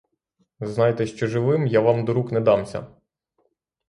Знайте, що живим я вам до рук не дамся!